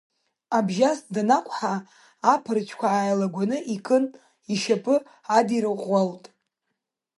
Абжьас данақәҳа, аԥрыцәқәа ааилагуаны икын ишьапы адирӷәӷәалт.